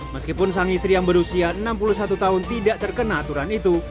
meskipun sang istri yang berusia enam puluh satu tahun tidak terkena aturan itu